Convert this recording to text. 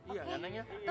iya kan neng ya